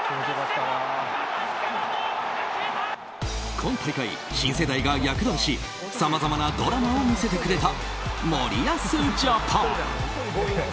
今大会、新世代が躍動しさまざまなドラマを見せてくれた森保ジャパン。